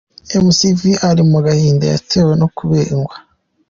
Mc V ari mu gahinda yatewe no kubengwa.